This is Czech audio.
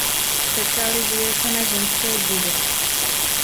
Specializuje se na ženské judo.